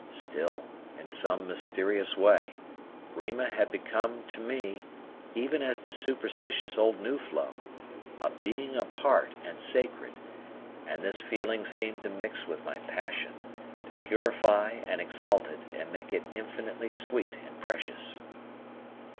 Still, in some mysterious way, Rima had become to me, even as to superstitious old Nuflo, a being apart and sacred, and this feeling seemed to mix with my passion, to purify and exalt it and make it infinitely sweet and precious.